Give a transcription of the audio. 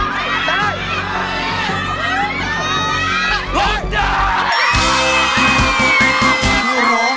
คุณสอดพงษ์ได้ได้ล้อมได้ล้อม